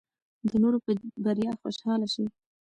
د نورو په بریا خوشحاله شئ.